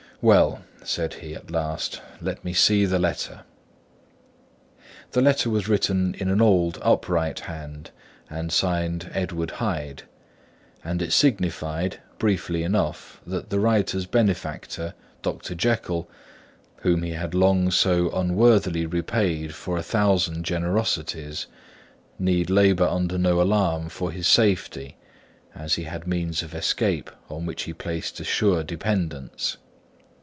"Well," said he, at last, "let me see the letter." The letter was written in an odd, upright hand and signed "Edward Hyde": and it signified, briefly enough, that the writer's benefactor, Dr. Jekyll, whom he had long so unworthily repaid for a thousand generosities, need labour under no alarm for his safety, as he had means of escape on which he placed a sure dependence.